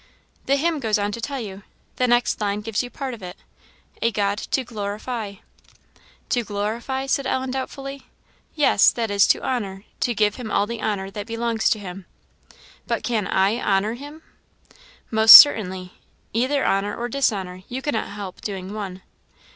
"The hymn goes on to tell you. The next line gives you part of it. 'A God to glorify.' " "To glorify?" said Ellen, doubtfully. "Yes, that is, to honour to give him all the honour that belongs to him." "But can I honour Him?" "Most certainly; either honour or dishonour; you cannot help doing one."